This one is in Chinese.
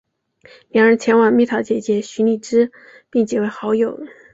两人前往蜜桃姐姐徐荔枝并结为好友。